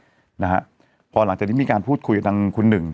พอหลังจากนี้กำลังมีการพูดคุยกับคุณหนึ่ง